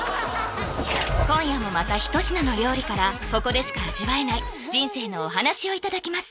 今夜もまた一品の料理からここでしか味わえない人生のお話をいただきます